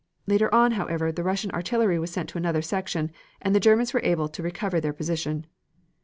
Later on, however, the Russian artillery was sent to another section, and the Germans were able to recover their position.